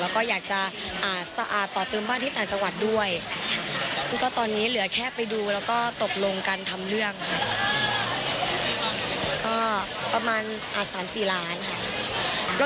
ก็ตอนนี้เหลือแค่ไปดูแล้วก็ตกลงกันทำเรื่องค่ะก็ประมาณอาจสามสี่ล้านค่ะ